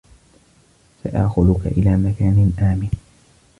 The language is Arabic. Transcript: سآخذك إلى مكان آمن.